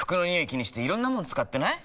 気にしていろんなもの使ってない？